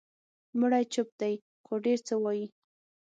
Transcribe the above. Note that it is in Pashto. مړی چوپ دی، خو ډېر څه وایي.